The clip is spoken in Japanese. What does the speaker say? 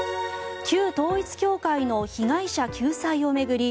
旧統一教会の被害者救済を巡り